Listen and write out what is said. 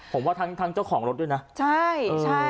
ผมว่าทางเจ้าของรถด้วยนะใช่